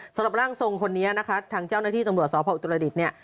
สำหรับร่างทรงคนนี้นะคะทางเจ้าหน้าที่ตำรวจสพอุตรดิษฐ์เนี่ย